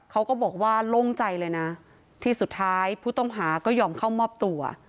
เขาก็บอกว่าโล่งใจเลยนะที่สุดท้ายผู้ต้องหาก็ยอมเข้ามอบตัว